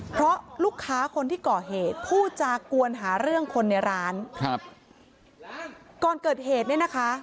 เพราะลูกค้าคนที่เกาะเหตุพูดจะกวนหาเรื่องคนในร้าน